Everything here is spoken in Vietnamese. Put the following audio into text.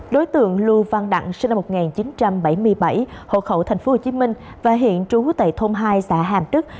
đối tượng lưu văn đặng sinh năm một nghìn chín trăm bảy mươi bảy hộ khẩu tp hcm và hiện trú tại thôn hai xã hàm đức